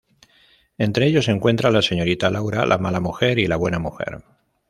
Entre ellos se encuentra la señorita Laura, la Mala Mujer y la Buena Mujer.